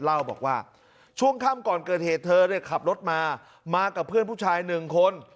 เล่าบอกว่าช่วงค่ำก่อนเกิดเหตุเธอเนี่ยขับรถมามากับเพื่อนผู้ชายหนึ่งคน